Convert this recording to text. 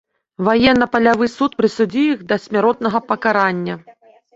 Ваенна-палявы суд прысудзіў іх да смяротнага пакарання.